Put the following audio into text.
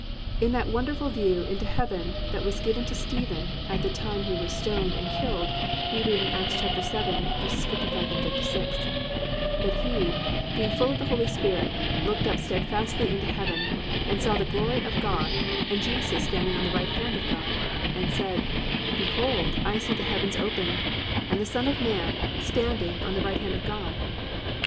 In that wonderful view into heaven that was given to Stephen at the time he was stoned and killed we read in Acts 7:55, 56, +"But he, being full of the Holy Spirit, looked up steadfastly into heaven, and saw the glory of God, and Jesus standing on the right hand of God, and said, Behold I see the heavens opened, and the Son of man standing on the right hand of God."